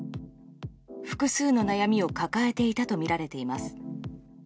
複数の悩みを抱えていたとみられています。